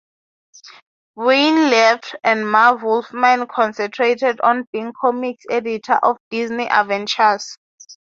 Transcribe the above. Wein left and Marv Wolfman concentrated on being comics editor of "Disney Adventures".